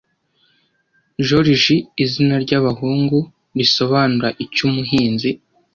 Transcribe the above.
Joriji izina ryabahungu risobanura icyo Umuhinzi